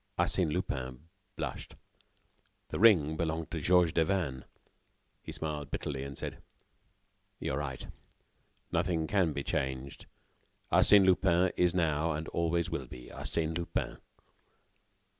Arsène Lupin blushed. The ring belonged to Georges Devanne. He smiled bitterly, and said: "You are right. Nothing can be changed. Arsène Lupin is now and always will be Arsène Lupin.